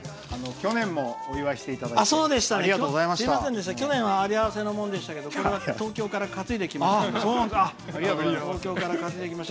去年もお祝いしていただいて去年はありあわせのものでしたけどこれは東京から担いできました。